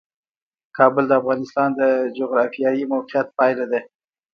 کابل د افغانستان د جغرافیایي موقیعت پایله ده.